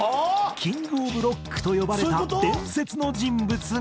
キング・オブ・ロックと呼ばれた伝説の人物が。